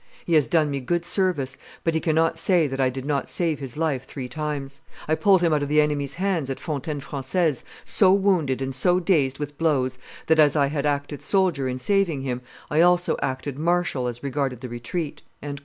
He has done me good service; but he cannot say that I did not save his life three times. I pulled him out of the enemy's hands at Fontaine Francaise so wounded and so dazed with blows, that, as I had acted soldier in saving him, I also acted marshal as regarded the retreat."